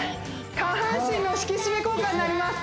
下半身の引き締め効果になります